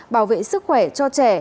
bảo vệ sức khỏe cho trẻ